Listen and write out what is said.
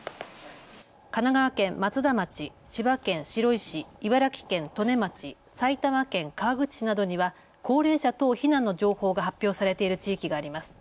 神奈川県松田町、千葉県白井市、茨城県利根町、埼玉県川口市などには高齢者等避難の情報が発表されている地域があります。